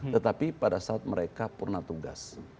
tetapi pada saat mereka purna tugas